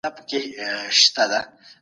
قرآنکريم په دين کي د تشدد غندنه کوي.